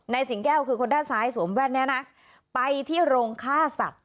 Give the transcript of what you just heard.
สิงแก้วคือคนด้านซ้ายสวมแว่นนี้นะไปที่โรงฆ่าสัตว